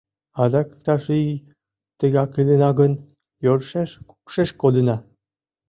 Адак иктаж ий тыгак илена гын, йӧршеш кукшеш кодына.